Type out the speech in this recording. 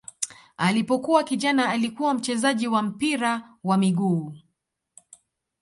Alipokuwa kijana alikuwa mchezaji wa mpira wa miguu.